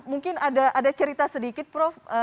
mungkin ada cerita sedikit prof ketika berada di lapangan